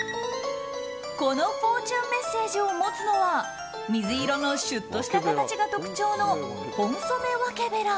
このフォーチュンメッセージを持つのは水色のシュッとした形が特徴のホンソメワケベラ。